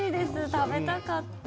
食べたかった。